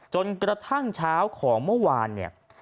จนกระทั่งเช้าของเมื่อวานเนี่ย